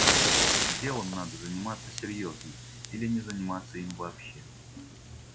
Делом надо заниматься серьезно или не заниматься им вообще.